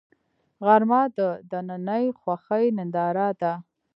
غرمه د دنننۍ خوښۍ ننداره ده